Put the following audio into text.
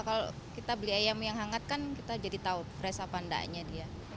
kalau kita beli ayam yang hangat kan kita jadi tahu fresh apa enggaknya dia